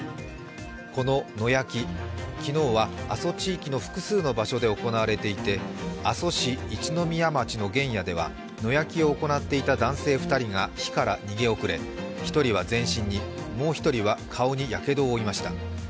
この野焼き、昨日は阿蘇地域の複数の場所で行われていて阿蘇市一の宮町の原野では野焼きを行っていた男性２人が火から逃げ遅れ、１人は全身に、もう１人は顔にやけどを負いました。